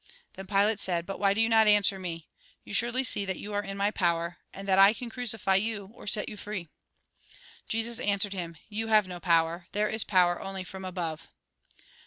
Then Pilate said :" But why do you not answer me ? You surely see that you are in my power, and that I can crucify you, or set you free." Jesus answered him :" You have no power. There is power only from above."